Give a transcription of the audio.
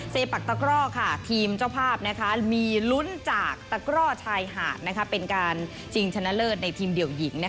ปักตะกร่อทีมเจ้าภาพมีลุ้นจากตะกร่อชายหาดเป็นการชิงชนะเลิศในทีมเดี่ยวหญิง